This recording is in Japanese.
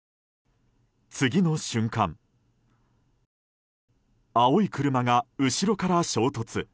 次の瞬間、青い車が後ろから衝突。